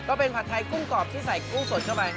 ผัดไทยกุ้งกรอบที่ใส่กุ้งสดเข้าไป